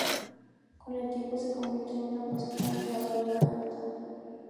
Con el tiempo se convierte en una apasionada jugadora de karuta.